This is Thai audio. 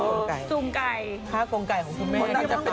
เมียเต้นมากค่ะ